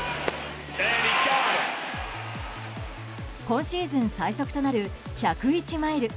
今シーズン最速となる１０１マイル